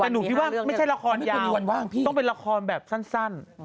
แต่หนูคิดว่าไม่ใช่ละครยาวต้องเป็นละครแบบสั้น